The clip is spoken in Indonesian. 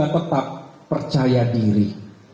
tetap percaya diri